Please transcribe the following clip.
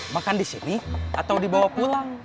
makan di sini atau dibawa pulang